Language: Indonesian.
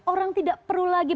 orang tidak perlu lagi